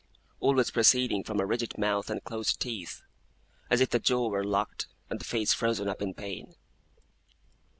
Always proceeding from a rigid mouth and closed teeth, as if the jaw were locked and the face frozen up in pain.